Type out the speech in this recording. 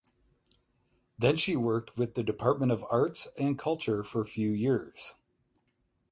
Then she worked with the department of Arts and Culture for few years.